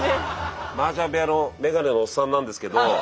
マージャン部屋のメガネのおっさんなんですけど。